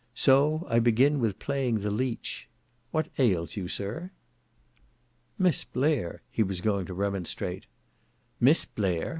So I begin with playing the leech. What ails you, sir?" '"Miss Blair!" he was going to remonstrate. '"Miss Blair!